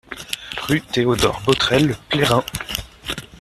Rue Théodore Botrel, Plérin